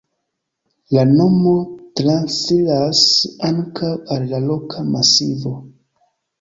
La nomo transiras ankaŭ al la roka masivo.